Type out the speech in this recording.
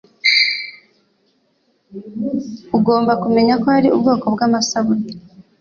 ugomba kumenya ko hari ubwoko bw'amasabune